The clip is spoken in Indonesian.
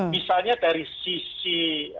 misalnya dari sisi